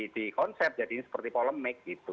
di konsep jadi seperti polem make gitu